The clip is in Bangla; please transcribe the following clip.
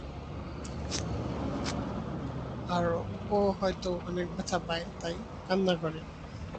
আর ও হয়ত অনেক ব্যথা পায় তাই কান্না করে।